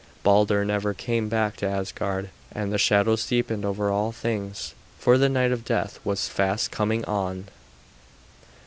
Balder never came back to Asgard, and the shadows deepened over all things, for the night of death was fast coming on.